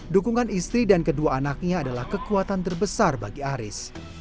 dukungan istri dan kedua anaknya adalah kekuatan terbesar bagi aris